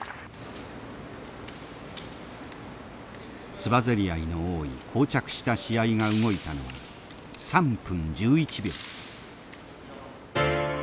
つばぜり合いの多いこう着した試合が動いたのは３分１１秒。